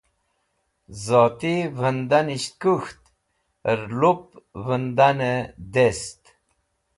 Zoti vẽndanisht kũk̃hat hẽr lup vẽndanẽ dest